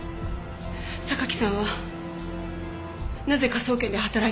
榊さんはなぜ科捜研で働いてるんですか？